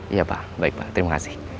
iya pak baik pak terima kasih